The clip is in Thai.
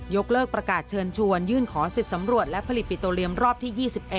กเลิกประกาศเชิญชวนยื่นขอสิทธิ์สำรวจและผลิตปิโตเรียมรอบที่๒๑